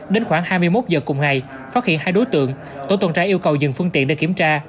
đến khoảng hai mươi một giờ cùng ngày phát hiện hai đối tượng tổ tuần tra yêu cầu dừng phương tiện để kiểm tra